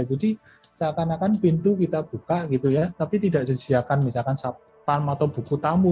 jadi seakan akan pintu kita buka gitu ya tapi tidak disiapkan misalkan spam atau buku tamu